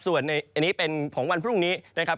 ส่วนอันนี้เป็นของวันพรุ่งนี้นะครับ